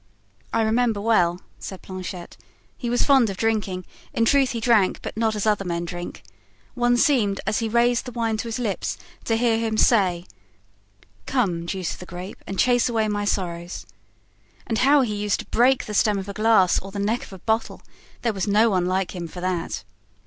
"I remember well," said Planchet, "he was fond of drinking—in truth, he drank, but not as other men drink. One seemed, as he raised the wine to his lips, to hear him say, 'Come, juice of the grape, and chase away my sorrows.' And how he used to break the stem of a glass or the neck of a bottle! There was no one like him for that."